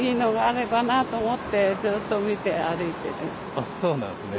あっそうなんですね。